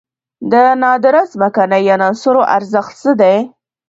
د نادره ځمکنۍ عناصرو ارزښت څه دی؟